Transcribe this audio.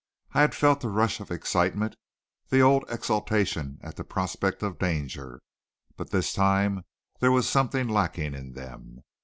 I had felt the rush of excitement, the old exultation at the prospect of danger, but this time there was something lacking in them.